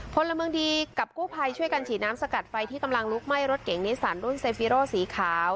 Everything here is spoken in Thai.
พลเมืองดีกับกู้ภัยช่วยกันฉีดน้ำสกัดไฟที่กำลังลุกไหม้รถเก่งนิสันรุ่นเซฟิโรสีขาว